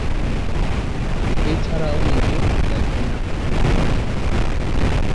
এছাড়াও নিজে কয়েকটি নাটক তৈরি করেছেন।